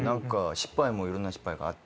失敗もいろんな失敗があって。